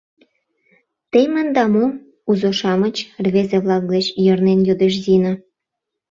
— Темында мо, узо-шамыч? — рвезе-влак деч йырнен йодеш Зина.